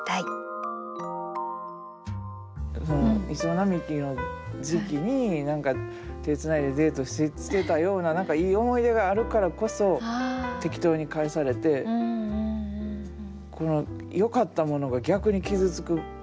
銀杏並木の時期に何か手つないでデートしてたような何かいい思い出があるからこそ適当に返されてこのよかったものが逆に傷つく痛いものに変わっていくみたいな。